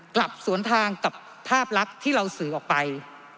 กลับสวนทางกับภาพลักษณ์ที่เราสื่อออกไป